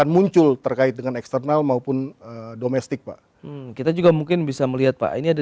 muncul terkait dengan eksternal maupun domestik pak kita juga mungkin bisa melihat pak ini ada